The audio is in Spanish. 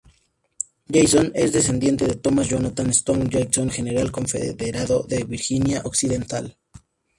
Jackson es descendiente de Thomas Jonathan "Stonewall" Jackson, general confederado de Virginia Occidental.